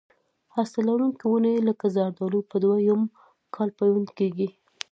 هسته لرونکي ونې لکه زردالو په دوه یم کال پیوند کېږي.